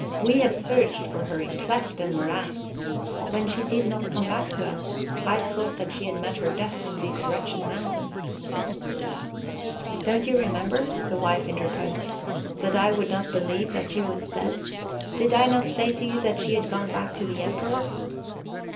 "We have searched for her in cleft and morass. When she did not come back to us, I thought that she had met her death in these wretched mountains." "Don't you remember," the wife interposed, "that I would not believe that she was dead? Did I not say to you that she had gone back to the Emperor?"